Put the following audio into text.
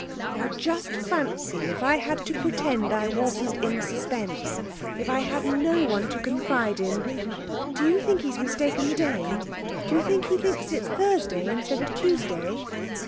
Now, just fancy if I had to pretend I wasn't in suspense! If I had no one to confide in!... Do you think he's mistaken the day? Do you think he thinks it's Thursday instead of Tuesday?'